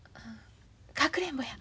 かくれんぼや。